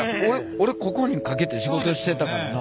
俺ここにかけて仕事してたからな。